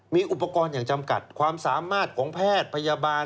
มีอุปกรณ์อย่างจำกัดความสามารถของแพทย์พยาบาล